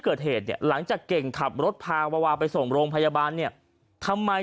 เกิดเหตุเนี่ยหลังจากเก่งขับรถพาวาวาไปส่งโรงพยาบาลเนี่ยทำไม